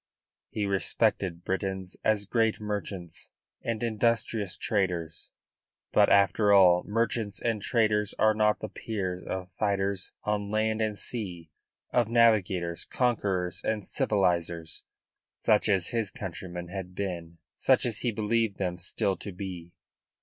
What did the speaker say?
He respected Britons as great merchants and industrious traders; but, after all, merchants and traders are not the peers of fighters on land and sea, of navigators, conquerors and civilisers, such as his countrymen had been, such as he believed them still to be.